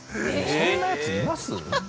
◆そんなやついます？